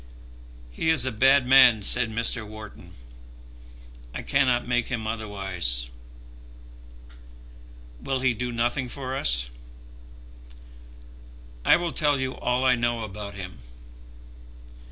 "He is a bad man," said Mr. Wharton. "I cannot make him otherwise." "Will he do nothing for us?" "I will tell you all I know about him."